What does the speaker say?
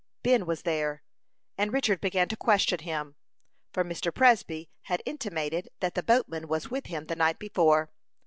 Ben was there, and Richard began to question him, for Mr. Presby had intimated that the boatman was with him the night before.